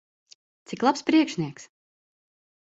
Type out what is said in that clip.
Cik labs priekšnieks!